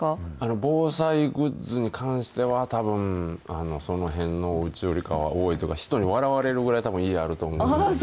防災グッズに関しては、たぶん、その辺のおうちよりかは多いというか、人に笑われるぐらいたぶん、家にあると思います。